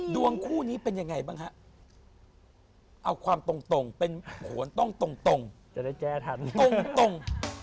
ดวงคู่นี้เป็นอย่างไรบ้างครับเอาความตรงเป็นจนตรง